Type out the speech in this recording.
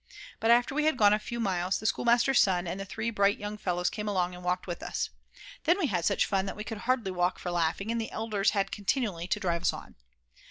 But after we had gone a few miles the schoolmaster's son and three bright young fellows came along and walked with us. Then we had such fun that we could hardly walk for laughing, and the elders had continually to drive us on.